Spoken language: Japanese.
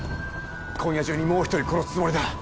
今夜中にもう一人殺すつもりだ。